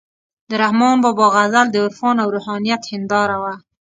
د رحمان بابا غزل د عرفان او روحانیت هنداره وه،